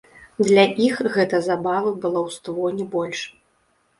Для іх гэта забавы, балаўство, не больш.